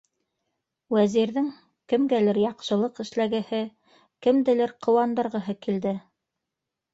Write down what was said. Вәзирҙең кемгәлер яҡшылыҡ эшләгеһе, кемделер ҡыуандырғыһы килде.